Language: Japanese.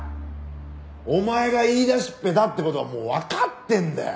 お前が言いだしっぺだって事はもうわかってんだよ！